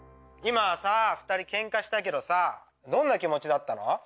今さ２人ケンカしたけどさどんな気持ちだったの？